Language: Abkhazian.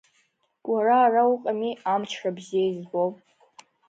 Уара ара уҟами, амчра бзиа избо.